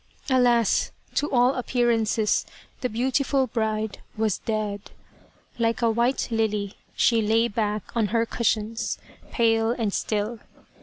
Alas ! to all appearances the beautiful bride was dead. Like a white lily she lay back on her cushions, pale and still.